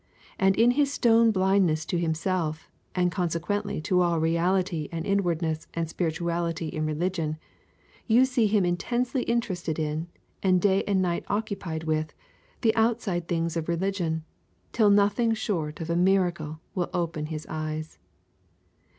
And in his stone blindness to himself, and consequently to all reality and inwardness and spirituality in religion, you see him intensely interested in, and day and night occupied with, the outside things of religion, till nothing short of a miracle will open his eyes.